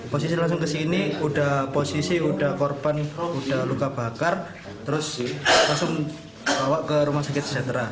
posisi langsung ke sini udah posisi udah korban udah luka bakar terus langsung bawa ke rumah sakit sejahtera